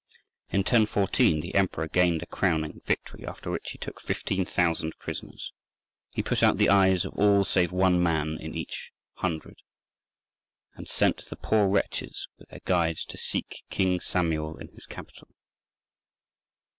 In 1014 the Emperor gained a crowning victory, after which he took 15,000 prisoners: he put out the eyes of all save one man in each hundred, and sent the poor wretches with their guides to seek King Samuel in his capital.